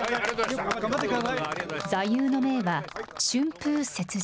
座右の銘は春風接人。